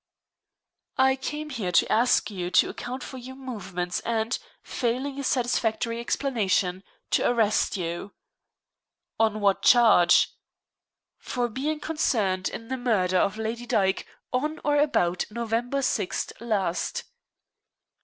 "I came here to ask you to account for your movements, and, failing a satisfactory explanation, to arrest you." "On what charge?" "For being concerned in the murder of Lady Dyke, on or about November 6 last."